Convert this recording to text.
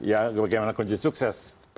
ya bagaimana kunci sukses